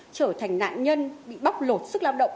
trở thành nạn nhân bị bóc lột sức lao động